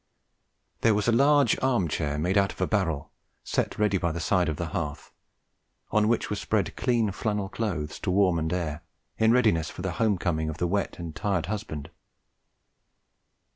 There was a large arm chair made out of a barrel set ready by the side of the hearth, on which were spread clean flannel clothes to warm and air, in readiness for the home coming of the wet and tired husband.